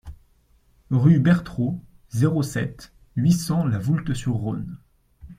Rue Bertraud, zéro sept, huit cents La Voulte-sur-Rhône